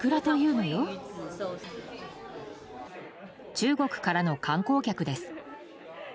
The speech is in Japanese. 中国からの観光客です。